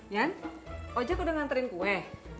yan ojek udah nganterin kue